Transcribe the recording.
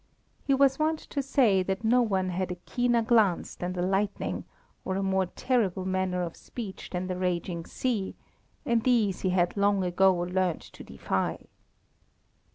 He was wont to say that no one had a keener glance than the lightning, or a more terrible manner of speech than the raging sea, and these he had long ago learnt to defy.